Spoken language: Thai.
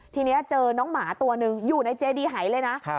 ทีนี้เจอน้องหมาตัวหนึ่งอยู่ในเจดีหายเลยนะ